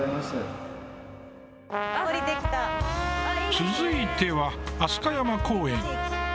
続いては飛鳥山公園。